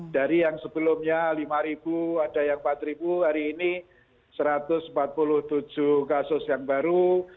dari yang sebelumnya lima ada yang empat hari ini satu ratus empat puluh tujuh kasus yang baru